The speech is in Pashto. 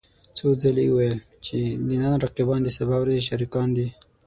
څو ځله يې وويل چې د نن رقيبان د سبا ورځې شريکان دي.